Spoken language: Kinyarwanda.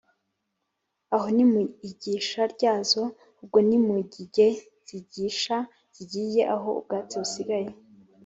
aho ni mu igisha ryazo: ubwo ni mu gige zigisha(zigiye aho ubwatsi busigaye